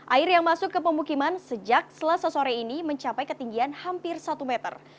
air yang masuk ke pemukiman sejak selasa sore ini mencapai ketinggian hampir satu meter